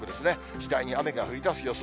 次第に雨が降りだす予想。